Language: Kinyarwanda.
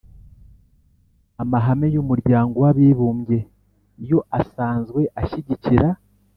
amahame y'umuryango w'abibumbye yo asanzwe ashyigikira